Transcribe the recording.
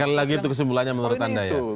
sekali lagi itu kesimpulannya menurut anda ya